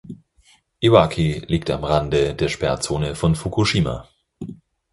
Iwaki liegt am Rande der Sperrzone von Fukushima.